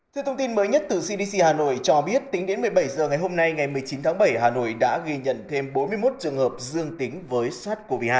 theo thông tin mới nhất từ cdc hà nội cho biết tính đến một mươi bảy h ngày hôm nay ngày một mươi chín tháng bảy hà nội đã ghi nhận thêm bốn mươi một trường hợp dương tính với sars cov hai